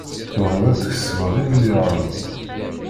Tebɣiḍ ad tkesbeḍ imelyaṛen.